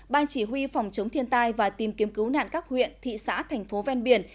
ban chỉ huy phòng chống thiên tai và tìm kiếm cứu nạn các huyện thị xã thành phố ven biển